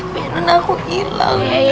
benen aku ilang